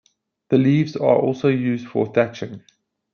The leaves are also used for thatching.